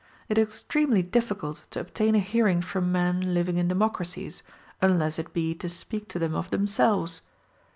It is extremely difficult to obtain a hearing from men living in democracies, unless it be to speak to them of themselves.